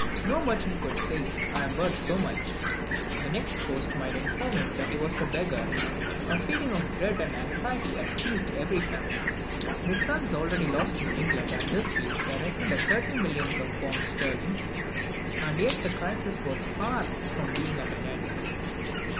No merchant could say, "I am worth so much;" the next post might inform him that he was a beggar. A feeling of dread and anxiety had seized every family. The sums already lost in England and this place were reckoned at thirty millions of pounds sterling, and yet the crisis was far from being at an end.